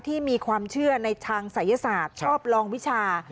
ที่มีความเชื่อในทางศัยศาสตร์ชอบลองวิชา